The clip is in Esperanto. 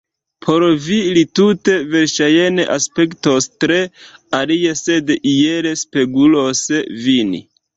Por vi li tute verŝajne aspektos tre alie, sed iel spegulos vin.